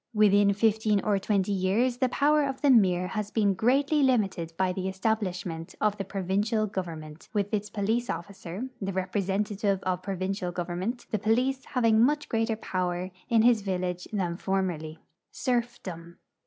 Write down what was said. Within fifteen or twenty years the power of the mir has been greatly limited by the establishment of the provincial govern ment, with its police officer, the representative of provincial government, the police having much greater jDower in his vil lage than formerly. SERFDOM.